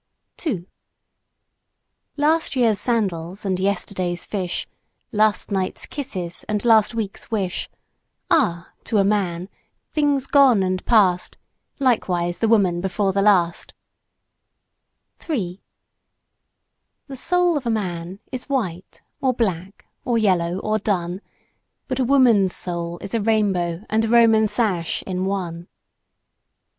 2 Last year's sandals and yesterday's fish, Last night's kisses and last week's wish Are, to a Man, things gone and past; Likewise the woman before the last! 3 The soul of a man is white or black, or yellow, or dun; But a woman's soul is a rainbow and a Roman sash in one.